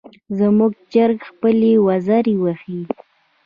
زموږ چرګه خپلې وزرې وهي.